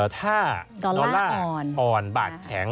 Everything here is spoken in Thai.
ถ้าดอลลาร์อ่อนบาดแข็ง